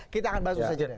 kita akan bahas itu saja deh